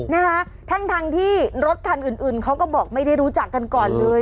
นะคะทั้งทั้งที่รถคันอื่นอื่นเขาก็บอกไม่ได้รู้จักกันก่อนเลย